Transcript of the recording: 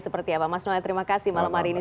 seperti apa mas noel terima kasih malam hari ini